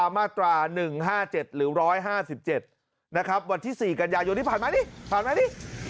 มาตรา๑๕๗หรือ๑๕๗นะครับวันที่๔กันยายนที่ผ่านมานี่ผ่านมานี่